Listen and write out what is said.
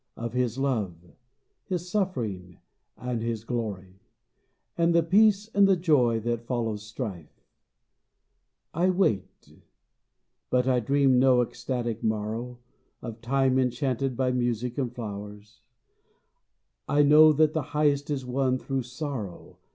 Of His love. His suffering, and His glory, And the peace and the joy that follows strife. I wait — but I dream no ecstatic morrow Of time enchanted by music and flowers ; I know that the highest is won through sorrow.